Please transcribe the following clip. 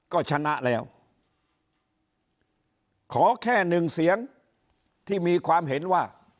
ก็ชนะแล้วขอแค่หนึ่งเสียงที่มีความเห็นว่า